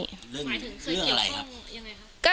เรื่องเรื่องอะไรครับ